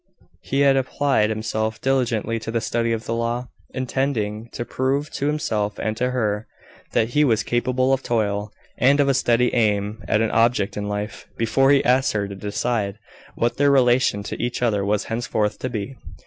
He had applied himself diligently to the study of the law, intending to prove to himself and to her, that he was capable of toil, and of a steady aim at an object in life, before he asked her to decide what their relation to each other was henceforth to be.